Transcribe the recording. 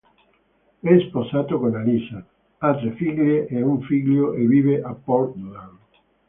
È sposato con Alisa, ha tre figlie e un figlio e vive a Portland.